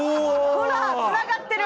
ほら、つながってる！